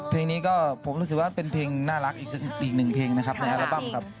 เพลงนี้ก็ผมรู้สึกว่าเป็นเพลงน่ารักอีกหนึ่งเพลงนะครับในอัลบั้มครับ